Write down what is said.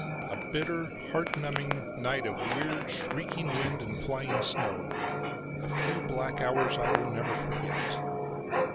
A bitter, heart numbing night of weird, shrieking wind and flying snow. A few black hours I will never forget.